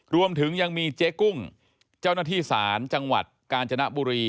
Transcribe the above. รวมถึงยังมีเจ๊กุ้งเจ้าหน้าที่ศาลจังหวัดกาญจนบุรี